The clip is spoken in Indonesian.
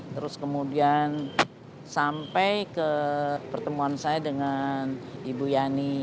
terus kemudian sampai ke pertemuan saya dengan ibu yani